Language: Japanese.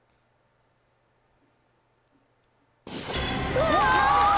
うわ！